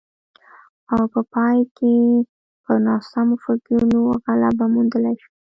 او په پای کې په ناسمو فکرونو غلبه موندلای شو